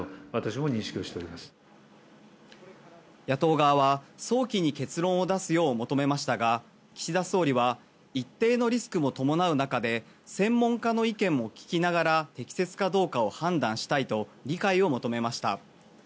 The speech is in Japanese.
野党側は早期に結論を出すよう求めましたが岸田総理は一定のリスクも伴う中で専門家の意見も聞きながら適切かどうかを判断したいと理解を求めました。